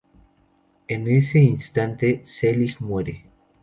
En ese instante, Selig muere.